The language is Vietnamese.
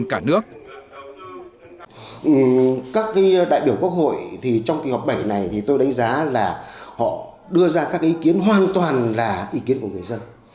các đại biểu quốc hội thì trong kỳ họp bảy này thì tôi đánh giá là họ đưa ra các ý kiến hoàn toàn là ý kiến của người dân